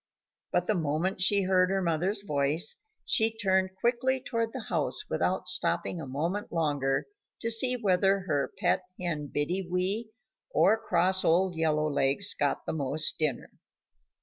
But the moment she heard her mother's voice, she turned quickly toward the house without stopping a moment longer to see whether her pet hen, Biddy Wee, or cross old Yellow Legs got the most dinner.